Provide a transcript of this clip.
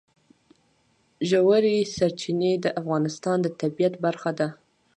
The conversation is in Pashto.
ژورې سرچینې د افغانستان د طبیعت برخه ده.